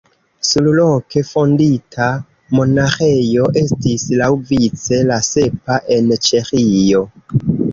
Surloke fondita monaĥejo estis laŭvice la sepa en Ĉeĥio.